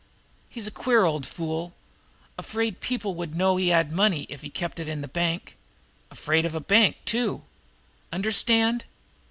He's a queer old fool. Afraid people would know he had money if he kept it in the bank afraid of a bank, too. Understand?